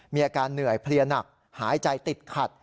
มีอาการเหนื่อยเพลียหนักหายใจติดขัด